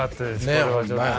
これはちょっと。